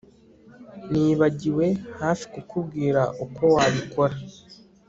Nibagiwe hafi kukubwira uko wabikora